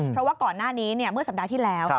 เพราะว่าก่อนหน้านี้เมื่อสัปดาห์ที่แล้ว